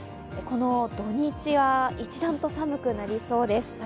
この土日は一段と寒くなりそうです。